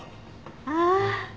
ああ！